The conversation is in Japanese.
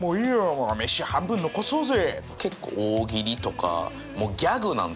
もう飯半分残そうぜ」。